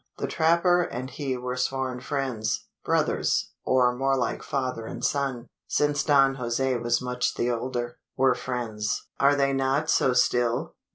The trapper and he were sworn friends brothers or more like father and son: since Don Jose was much the older." "Were friends. Are they not so still?"